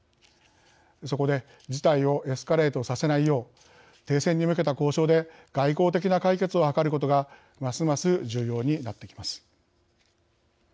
そこで事態をエスカレートさせないよう停戦に向けた交渉で外交的な解決をはかることがますます重要になってきます。